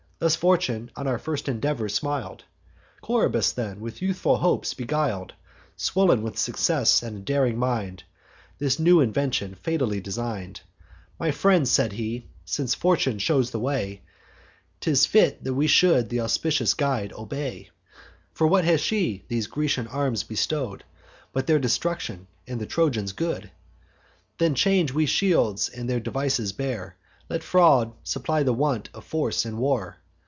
Thus Fortune on our first endeavor smil'd. Coroebus then, with youthful hopes beguil'd, Swoln with success, and a daring mind, This new invention fatally design'd. 'My friends,' said he, 'since Fortune shows the way, 'Tis fit we should th' auspicious guide obey. For what has she these Grecian arms bestow'd, But their destruction, and the Trojans' good? Then change we shields, and their devices bear: Let fraud supply the want of force in war.